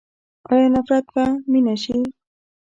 آیا نفرت به مینه شي؟